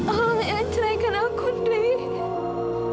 alhamdulillah cerai kan aku daryl